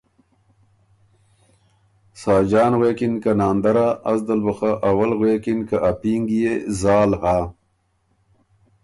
ساجان غوېکِن که ”ناندره! از دل بُو خه اول غوېکِن که ا پینګ يې زال هۀ۔